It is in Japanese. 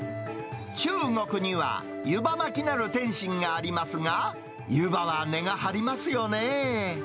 中国には湯葉巻きなる点心がありますが、湯葉は値が張りますよね。